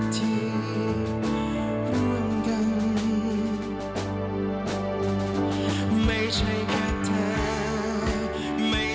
ที่เชื่อเพียงแบบนี้